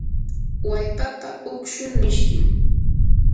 wallpapa ukshun mishkim.